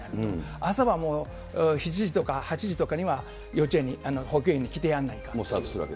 朝はもう、７時とか８時とかには、幼稚園に、保育園に来てやんないといけないと。